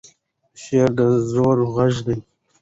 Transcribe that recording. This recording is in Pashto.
شعر د زړه غږ دی.